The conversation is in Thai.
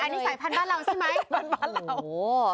อันนี้สายพันธุ์บ้านเราใช่ไหม